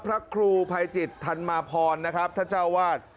พระครูภัยจิตธรรมาพรนะครับท่านเจ้าวาด